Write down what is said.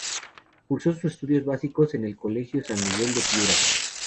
Cursó sus estudios básicos en el Colegio San Miguel de Piura.